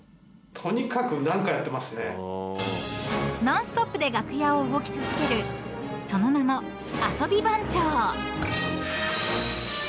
［ノンストップで楽屋を動き続けるその名も遊び番長］